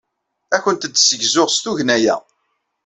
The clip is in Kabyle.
Ad awent-d-ssegzuɣ s tugna-a.